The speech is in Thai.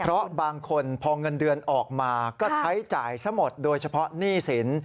เพราะบางคนพอเงินเดือนออกมาก็ใช้จ่ายซะหมดโดยเฉพาะหนี้สิน